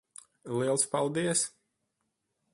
Liels paldies.